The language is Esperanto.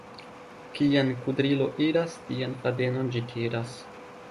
Kien kudrilo iras, tien fadenon ĝi tiras.